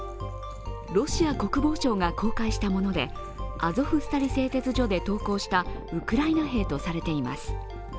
ロシア国防省が公開したものでアゾフスタリ製鉄所で投降したウクライナ兵とされています。